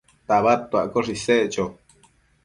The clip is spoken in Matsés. tabadtuaccoshe isec cho